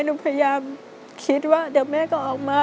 หนูพยายามคิดว่าเดี๋ยวแม่ก็ออกมา